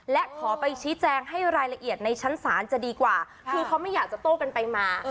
และขอไปชี้แจงให้รายละเอียดในชั้นศาลจะดีกว่าคือเขาไม่อยากจะโต้กันไปมา